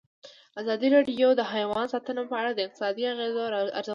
ازادي راډیو د حیوان ساتنه په اړه د اقتصادي اغېزو ارزونه کړې.